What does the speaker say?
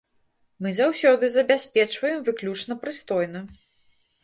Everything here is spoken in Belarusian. Мы заўсёды забяспечваем выключна прыстойна.